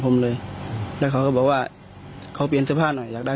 ผมเลยแล้วเขาก็บอกว่าเขาเปลี่ยนเสื้อผ้าหน่อยอยากได้